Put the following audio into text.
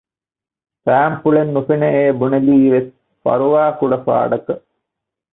ފައިންޕުޅެއް ނުފެނެއޭ ބުނެލީވެސް ފަރުވާކުޑަ ފާޑަކަށް